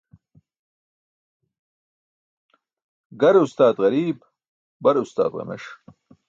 Gare ustaat ġariib, bare ustaat ġames